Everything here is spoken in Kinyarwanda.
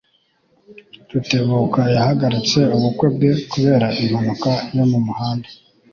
Rutebuka yahagaritse ubukwe bwe kubera impanuka yo mu muhanda.